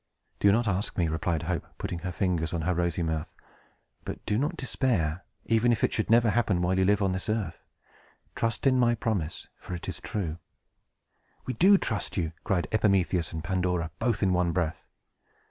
"Do not ask me," replied Hope, putting her finger on her rosy mouth. "But do not despair, even if it should never happen while you live on this earth. Trust in my promise, for it is true." "We do trust you!" cried Epimetheus and Pandora, both in one breath.